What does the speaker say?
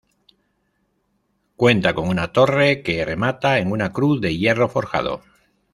Cuenta con una torre que remata en una cruz de hierro forjado.